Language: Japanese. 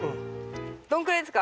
どんくらいですか？